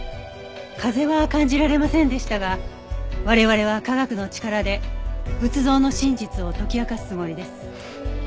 風は感じられませんでしたが我々は科学の力で仏像の真実を解き明かすつもりです。